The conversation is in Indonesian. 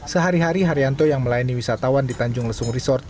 sehari hari haryanto yang melayani wisatawan di tanjung lesung resort